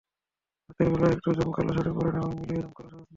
রাতের বেলা একটু জমকালো শাড়ি পরেন এবং মিলিয়ে জমকালো সাজ দেন।